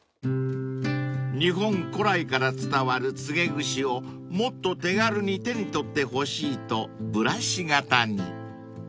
［日本古来から伝わるつげぐしをもっと手軽に手に取ってほしいとブラシ型に］